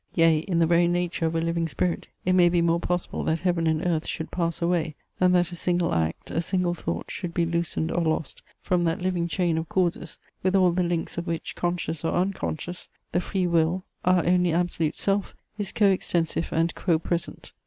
Yea, in the very nature of a living spirit, it may be more possible that heaven and earth should pass away, than that a single act, a single thought, should be loosened or lost from that living chain of causes, with all the links of which, conscious or unconscious, the free will, our only absolute Self, is coextensive and co present.